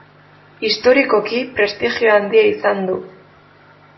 Historikoki prestigio handia izan du.